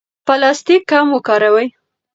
پلاستیک کم وکاروئ.